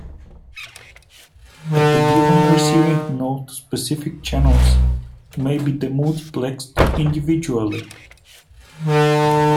At a given receiving node, specific channels may be demultiplexed individually.